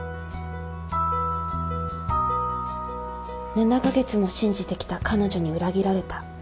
「７ヶ月も信じてきた彼女に裏切られた。